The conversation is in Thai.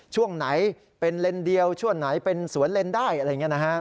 ช่วงไหนเป็นเลนส์เดียวช่วงไหนเป็นสวนเลนได้อะไรอย่างนี้นะครับ